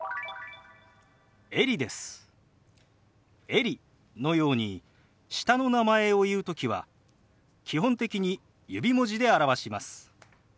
「エリ」のように下の名前を言う時は基本的に指文字で表します。